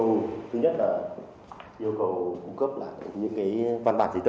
thứ nhất là yêu cầu cung cấp lại những cái văn bản trí tờ